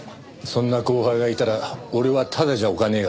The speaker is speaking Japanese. そんな後輩がいたら俺はただじゃおかねえがな。